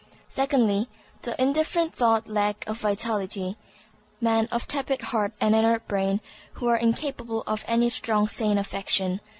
Secondly, the indifferent through lack of vitality; men of tepid heart and inert brain, who are incapable of any strong sane affection.